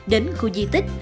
đến khu viên di tích